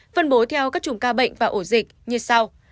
phân bố theo các chùm ca bệnh và ổ dịch như sau